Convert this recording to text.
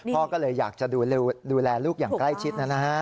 พ่อก็เลยอยากจะดูแลลูกอย่างใกล้ชิดนะฮะ